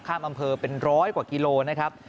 ข้ามอำเภอเป็นร้อยกว่ากิโลนะครับ